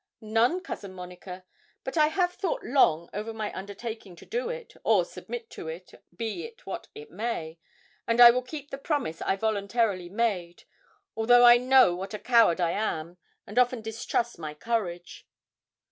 'None, Cousin Monica; but I have thought long over my undertaking to do it, or submit to it, be it what it may; and I will keep the promise I voluntarily made, although I know what a coward I am, and often distrust my courage.'